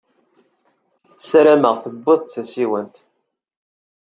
Ssarameɣ tewwid-d tasiwant.